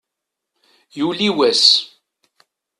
Yuli wass.